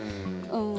うん。